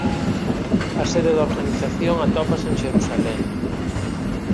A sede da organización atópase en Xerusalén.